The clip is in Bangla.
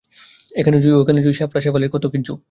এখানে ওখানে জুঁই, শেফালি আর কেতকীর ঝোপ।